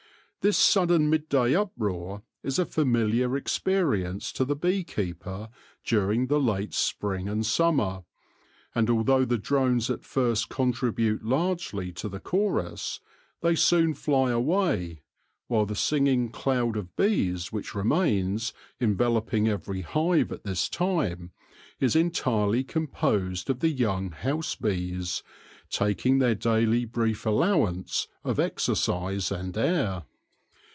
This sudden midday uproar is a familiar experience to the bee keeper during the late spring and summer ; and although the drones at first contribute largely to the chorus, they soon fly away, while the singing cloud of bees which remains enveloping every hive at this time, is entirely composed of the young house bees taking their daily brief allowance of exercise and air.